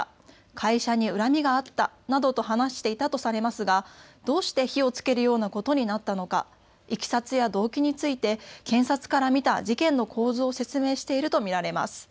会社に恨みがあったなどと話していたとされますがどうして火をつけるようなことになったのか、いきさつや動機について検察から見た事件の構図を説明していると見られます。